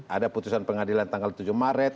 ada putusan pengadilan tanggal tujuh maret